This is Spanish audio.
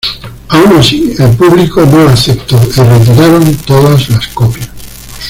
Aun así, el público no la aceptó y retiraron todas las copias.